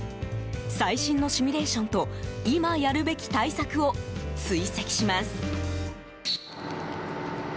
最新のシミュレーションと今やるべき対策を追跡します。